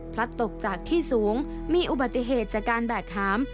ตกจากที่สูงมีอุบัติเหตุจากการแบกหาม